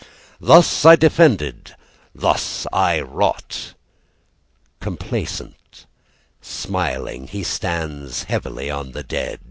"Thus I defended: Thus I wrought." Complacent, smiling, He stands heavily on the dead.